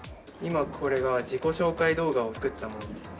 今これが自己紹介動画を作ったものですね。